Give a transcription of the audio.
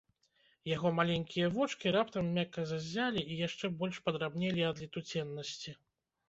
Яго маленькія вочкі раптам мякка заззялі і яшчэ больш падрабнелі ад летуценнасці.